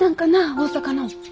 大阪の。